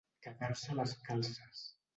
Cagar-se a les calces.